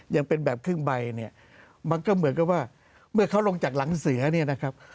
ยังเป็นแบบครึ่งใบเนี่ยมันก็เหมือนกับว่าเมื่อเขาลงจากหลังเสือเนี่ยนะครับ